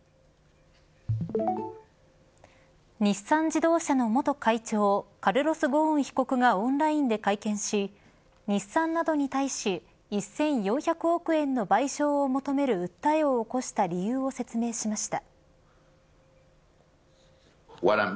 日産自動車の元会長カルロス・ゴーン被告がオンラインで会見し日産などに対し１４００億円の賠償を求める訴えを起こした理由を説明しました。